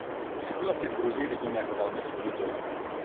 Situaci v Gruzii vidím jako velmi složitou.